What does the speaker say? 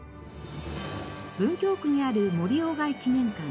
文京区にある森外記念館。